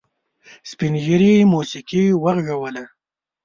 سپین ږيري موسيقي وغږوله.